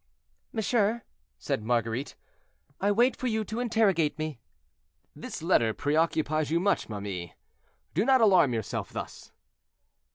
"Monsieur," said Marguerite, "I wait for you to interrogate me." "This letter preoccupies you much, ma mie; do not alarm yourself thus."